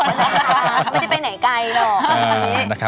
เขาไม่ได้ไปไหนไก่หรอก